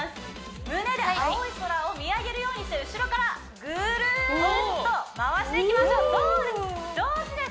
胸で青い空を見上げるようにして後ろからぐるっと回していきましょうそうです